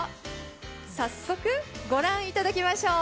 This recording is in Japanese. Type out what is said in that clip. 早速、御覧いただきましょう。